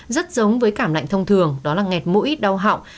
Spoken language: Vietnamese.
rất giống với cảm lạnh thông thường đó là nghẹt mũi đau hậu